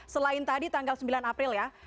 selain tadi tanggal sembilan april ya